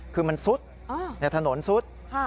คือมันสุดในถนนสุด